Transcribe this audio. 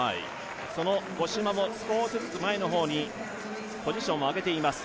その五島も少しずつ前の方にポジションを上げています。